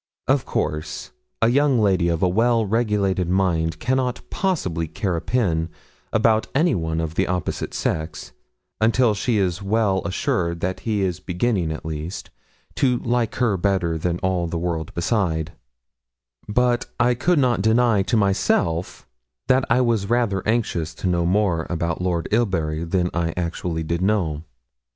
Of course, a young lady of a well regulated mind cannot possibly care a pin about any one of the opposite sex until she is well assured that he is beginning, at least, to like her better than all the world beside; but I could not deny to myself that I was rather anxious to know more about Lord Ilbury than I actually did know.